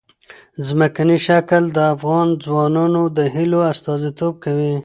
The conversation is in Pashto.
ځمکنی شکل د افغان ځوانانو د هیلو استازیتوب کوي.